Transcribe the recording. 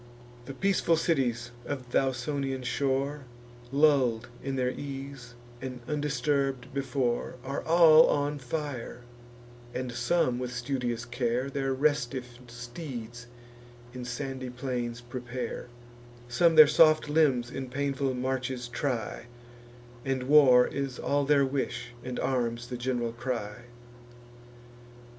The peaceful cities of th' Ausonian shore, Lull'd in their ease, and undisturb'd before, Are all on fire; and some, with studious care, Their restiff steeds in sandy plains prepare; Some their soft limbs in painful marches try, And war is all their wish, and arms the gen'ral cry.